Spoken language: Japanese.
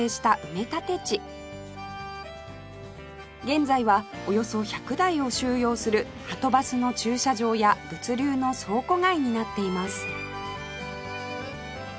現在はおよそ１００台を収容するはとバスの駐車場や物流の倉庫街になっています